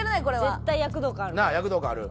絶対躍動感ある。